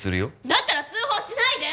だったら通報しないで！